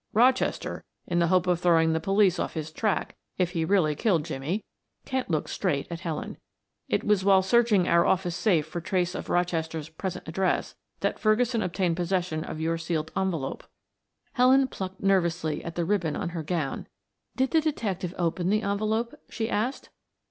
"Rochester, in the hope of throwing the police off his track, if he really killed Jimmie." Kent looked straight at Helen. "It was while searching our office safe for trace of Rochester's present address that Ferguson obtained possession of your sealed envelope." Helen plucked nervously at the ribbon on her gown. "Did the detective open the envelope" she asked.